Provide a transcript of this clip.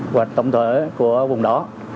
quy hoạch tổng thể của vùng đó